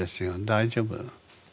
大丈夫。